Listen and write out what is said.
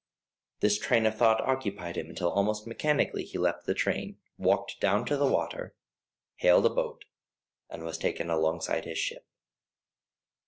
This train of thought occupied him until almost mechanically he left the train, walked down to the water, hailed a boat, and was taken alongside his ship.